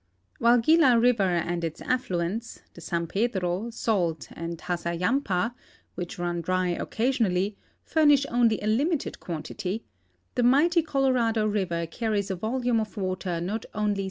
While Gila river and its afHuents, the San Pedro, Salt, and Hassayanipa, which run dry o<'casi()iially, furnish only a limited quantity, the mighty Colorado river car ries a volume of water not only si.